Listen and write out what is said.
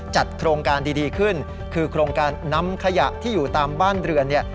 โครงการดีขึ้นคือโครงการนำขยะที่อยู่ตามบ้านเรือนเนี่ย